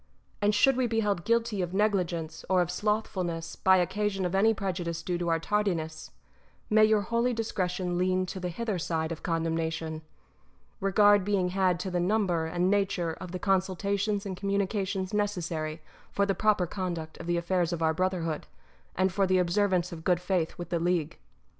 And should we be held guilty of negligence or of slothfulness by occasion of any prejudice due to our tardiness, may your holy discretion lean to the hither side of con demnation, regard being had to the number and nature of the consultations and communications necessary for the proper conduct of the affairs of our brotherhood, and for the observance of good faith with the league.